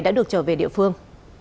đã được trở về địa phương